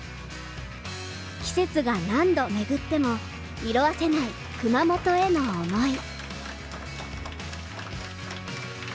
季節が何度巡っても色褪せない、熊本への思い。